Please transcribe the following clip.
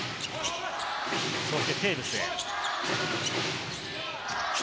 そしてテーブス。